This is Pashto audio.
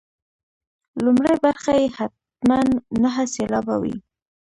لومړۍ برخه یې حتما نهه سېلابه وي.